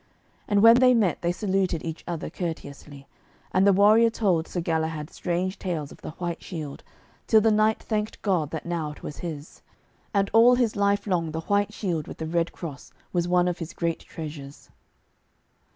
And when they met they saluted each other courteously. And the warrior told Sir Galahad strange tales of the white shield, till the knight thanked God that now it was his. And all his life long the white shield with the red cross was one of his great treasures.